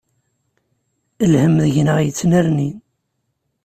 Lhem deg-neɣ yettnerni.